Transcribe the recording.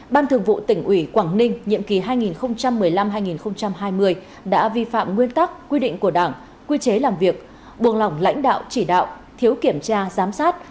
ban thường vụ tỉnh ủy quảng ninh nhiệm kỳ hai nghìn một mươi năm hai nghìn hai mươi đã vi phạm nguyên tắc quy định của đảng quy chế làm việc buồng lỏng lãnh đạo chỉ đạo thiếu kiểm tra giám sát